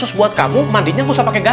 tuh hari ini pas habis sama kita